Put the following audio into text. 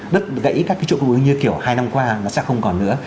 đất gãy các cái chỗ cú như kiểu hai năm qua nó sẽ không còn nữa